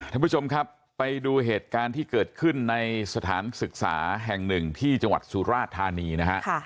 ท่านผู้ชมครับไปดูเหตุการณ์ที่เกิดขึ้นในสถานศึกษาแห่งหนึ่งที่จังหวัดสุราชธานีนะฮะ